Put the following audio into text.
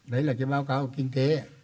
đấy là cái báo cáo kinh tế